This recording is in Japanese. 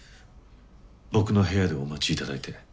僕の部屋でお待ち頂いて。